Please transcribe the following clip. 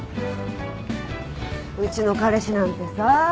うちの彼氏なんてさ